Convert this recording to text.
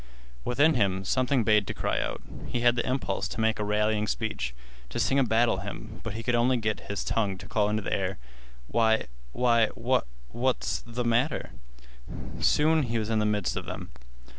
Within him something bade to cry out. He had the impulse to make a rallying speech, to sing a battle hymn, but he could only get his tongue to call into the air: "Why—why—what—what's th' matter?" Soon he was in the midst of them.